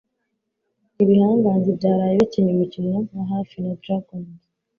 Ibihangange byaraye bikinnye umukino wa hafi na Dragons